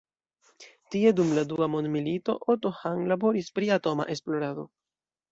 Tie dum la dua mondmilito, Otto Hahn laboris pri atoma esplorado.